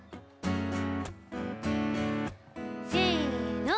せの。